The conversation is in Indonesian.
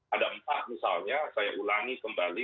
ada empat misalnya saya ulangi kembali